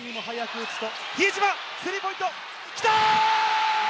比江島、スリーポイントきた！